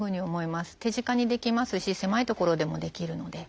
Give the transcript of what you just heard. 手近にできますし狭い所でもできるので。